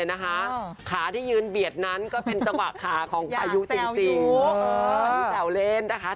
เจ้าปราบจักรเผ่าอะไรเผ่าญี่ปุ่นหรือเปล่า